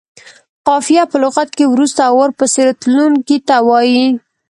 قافیه په لغت کې وروسته او ورپسې تلونکي ته وايي.